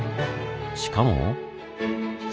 しかも。